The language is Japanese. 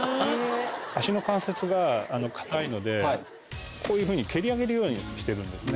足の関節が硬いのでこういうふうに蹴り上げるようにしてるんですね。